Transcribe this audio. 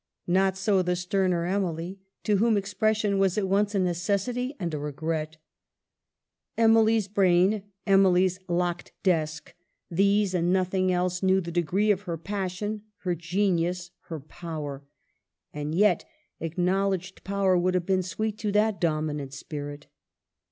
Not so the sterner Emily, to whom expression was at once a necessity and a regret. Emily's brain, Emily's locked desk, these and nothing else knew the degree of her passion, her genius, her power. And yet acknowledged power would have been sweet to that dominant spirit.